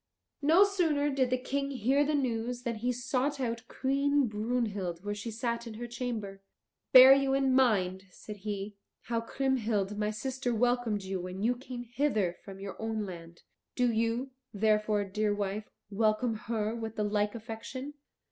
No sooner did the King hear the news than he sought out Queen Brunhild where she sat in her chamber. "Bear you in mind," said he, "how Kriemhild my sister welcomed you when you came hither from your own land. Do you, therefore, dear wife, welcome her with the like affection."